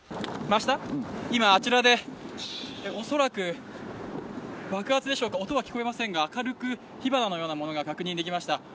今、あちらで恐らく爆発でしょうか、音は聞こえませんが、軽く火花のようなものが確認できました。